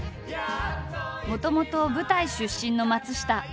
もともと舞台出身の松下。